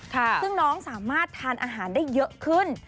ซึ่งน้องสามารถทานอาหารได้เยอะขึ้น